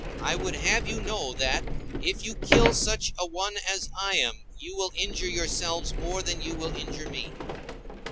I would have you know that, if you kill such a one as I am, you will injure yourselves more than you will injure me.